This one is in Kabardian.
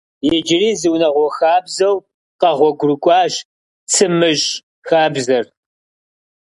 Иджыри зы унагъуэ хабзэу къэгъуэгурыкӏуащ «цымыщӏ» хабзэр.